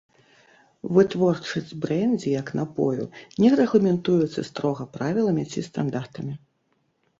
Вытворчасць брэндзі як напою не рэгламентуецца строга правіламі ці стандартамі.